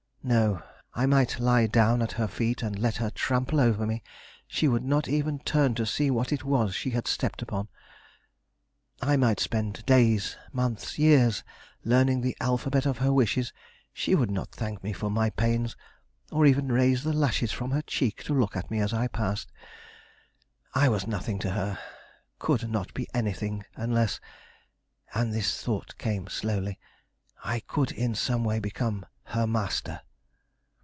No; I might lie down at her feet and let her trample over me; she would not even turn to see what it was she had stepped upon. I might spend days, months, years, learning the alphabet of her wishes; she would not thank me for my pains or even raise the lashes from her cheek to look at me as I passed. I was nothing to her, could not be anything unless and this thought came slowly I could in some way become her master.